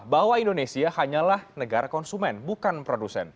bahwa indonesia hanyalah negara konsumen bukan produsen